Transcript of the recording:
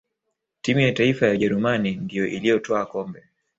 timu ya taifa ya ujerumani ndiyo iliyotwaa kombe